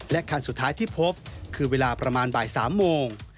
คันสุดท้ายที่พบคือเวลาประมาณบ่าย๓โมง